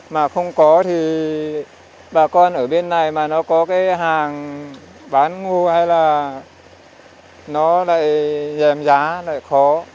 mà không có thì bà con ở bên này mà nó có cái hàng bán ngô hay là nó lại dèm giá lại khó